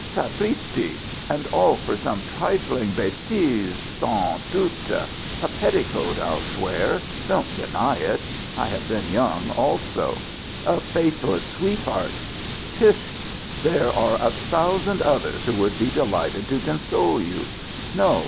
Sapristi! and all for some trifling bêtise, sans doute. A petticoat, I'll swear don't deny it I have been young also a faithless sweetheart Pish! There are a thousand others who would be delighted to console you. No!